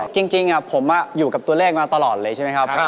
จริงผมอยู่กับตัวเลขมาตลอดเลยใช่ไหมครับ